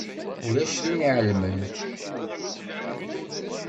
Ulac tin i iɛelmen.